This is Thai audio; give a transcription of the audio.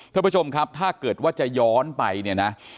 ท่านผู้ชมครับถ้าเกิดว่าจะย้อนไปเนี่ยนะ